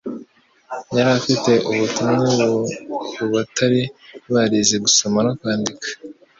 Yari afite ubutumwa ku batari barize gusoma no kwandika